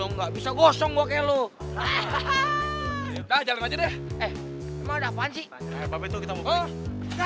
enggak mas capek fisik sih enggak